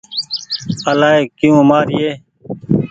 الآئي ڪيو مآر يي۔